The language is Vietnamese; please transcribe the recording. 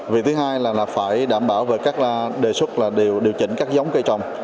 vì thứ hai là phải đảm bảo về các đề xuất là điều chỉnh các giống cây trồng